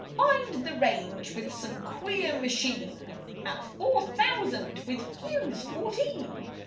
Find the range with some queer machine 'At four thousand with fuse fourteen.